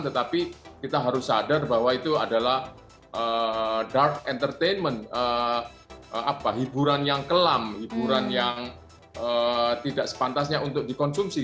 tetapi kita harus sadar bahwa itu adalah dark entertainment hiburan yang kelam hiburan yang tidak sepantasnya untuk dikonsumsi